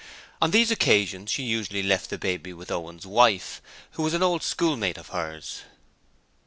On these occasions, she usually left the baby with Owen's wife, who was an old schoolmate of hers.